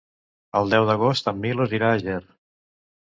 El deu d'agost en Milos irà a Ger.